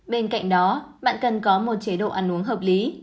bên cạnh đó bạn cần có một chế độ ăn uống hợp lý